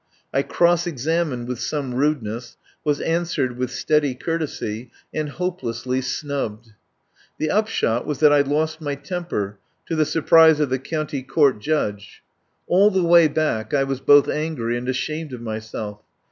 I cross examined with some rudeness, was an swered with steady courtesy, and hopelessly snubbed. The upshot was that I lost my tem per, to the surprise of the County Court 33 THE POWER HOUSE judge. All the way back I was both angry and ashamed of myself.